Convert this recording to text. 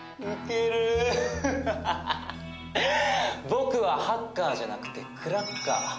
僕はハッカーじゃなくてクラッカー。